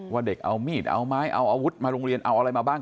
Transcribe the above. ว่าเด็กเอามีดเอาไม้เอาอาวุธมาโรงเรียนเอาอะไรมาบ้าง